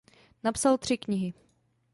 Napsal tři knihy.